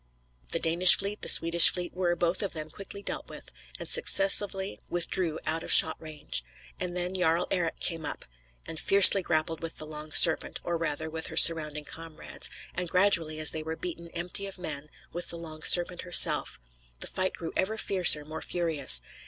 The Danish fleet, the Swedish fleet, were, both of them, quickly dealt with, and successively withdrew out of shot range. And then Jarl Eric came up, and fiercely grappled with the Long Serpent, or, rather, with her surrounding comrades; and gradually, as they were beaten empty of men, with the Long Serpent herself. The fight grew ever fiercer, more furious.